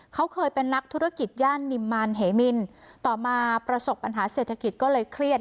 เขาเคยเป็นนักธุรกิจย่านนิมมารเหมินต่อมาประสบปัญหาเศรษฐกิจก็เลยเครียด